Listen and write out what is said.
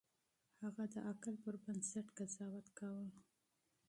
هغه د عقل پر بنسټ قضاوت کاوه.